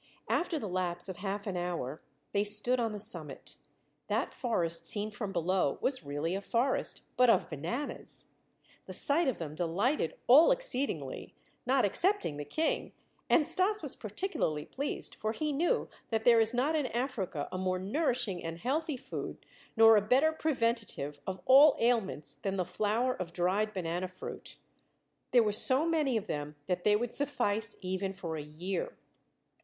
After the lapse of half an hour they stood on the summit. That forest seen from below was really a forest but of bananas. The sight of them delighted all exceedingly, not excepting the King, and Stas was particularly pleased, for he knew that there is not in Africa a more nourishing and healthy food nor a better preventative of all ailments than the flour of dried banana fruit. There were so many of them that they would suffice even for a year.